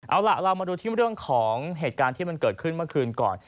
เอาล่ะเรามาดูที่เรื่องของเหตุการณ์ที่มันเกิดขึ้นเมื่อคืนก่อน